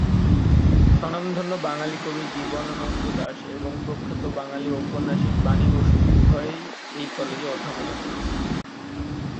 স্বনামধন্য বাঙালি কবি জীবনানন্দ দাশ এবং প্রখ্যাত বাঙালি ঔপন্যাসিক বাণী বসু উভয়েই এই কলেজে অধ্যাপনা করেছেন।